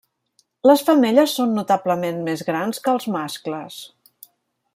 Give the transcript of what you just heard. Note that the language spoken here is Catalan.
Les femelles són notablement més grans que els mascles.